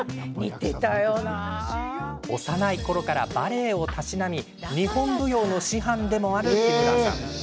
幼いころからバレエをたしなみ日本舞踊の師範でもある木村さん。